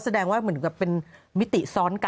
แพทย์เมืองผีเป็นลักษณะ